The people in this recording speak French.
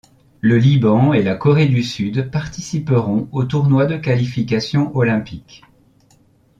Le Liban et la Corée du Sud participeront au tournoi de qualification olympique.